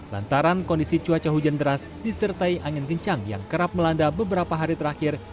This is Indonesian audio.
lantaran kondisi cuaca hujan deras disertai angin kencang yang kerap melanda beberapa hari terakhir